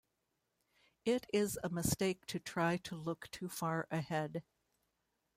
It is a mistake to try to look too far ahead.